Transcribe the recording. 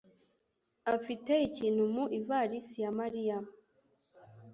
afite ikintu mu ivarisi ya Mariya.